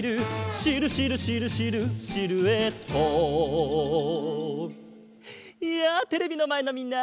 「シルシルシルシルシルエット」やあテレビのまえのみんな！